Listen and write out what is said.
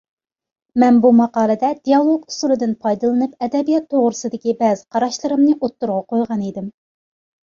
مەن بۇ ماقالىدە دىئالوگ ئۇسۇلىدىن پايدىلىنىپ ئەدەبىيات توغرىسىدىكى بەزى قاراشلىرىمنى ئوتتۇرىغا قويغانىدىم.